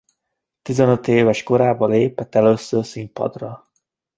Tizenöt éves korában lépett először színpadra.